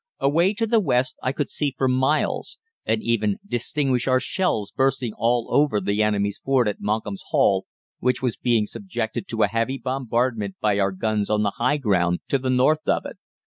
Away to the west I could see for miles, and even distinguish our shells bursting all over the enemy's fort at Monkham's Hall, which was being subjected to a heavy bombardment by our guns on the high ground to the north of it.